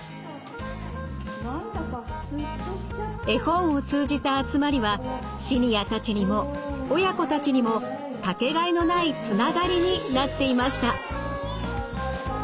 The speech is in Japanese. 絵本を通じた集まりはシニアたちにも親子たちにも掛けがえのないつながりになっていました。